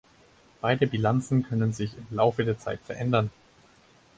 Beide Bilanzen können sich im Laufe der Zeit verändern.